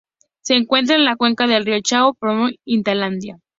Se encuentra en la cuenca del río Chao Phraya en Tailandia.